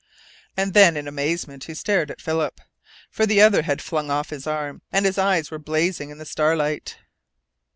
And then, in amazement, he stared at Philip. For the other had flung off his arm, and his eyes were blazing in the starlight.